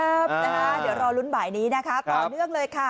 เดี๋ยวรอลุ้นบ่ายนี้นะคะต่อเนื่องเลยค่ะ